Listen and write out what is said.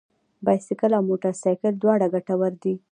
بايسکل او موټر سايکل دواړه ګټور دي.